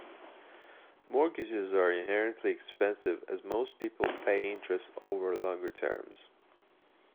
Mortgages are inherently expensive as most people pay interest over longer terms.